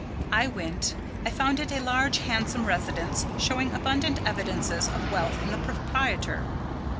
I went. I found it a large, handsome residence, showing abundant evidences of wealth in the proprietor.